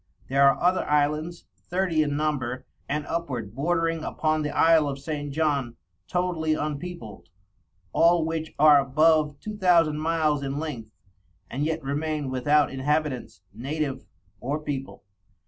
There are other Islands Thirty in number, and upward bordering upon the Isle of St. John, totally unpeopled; all which are above Two Thousand miles in Lenght, and yet remain without Inhabitants, Native, or People.